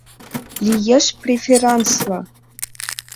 - Лиеш преферансла.